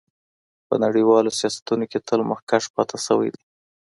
په نړیوالو سیالیو کې تل مخکښ پاتې شوی دی.